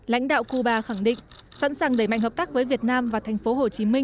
lãnh đạo cuba khẳng định sẵn sàng đẩy mạnh hợp tác với việt nam và tp hcm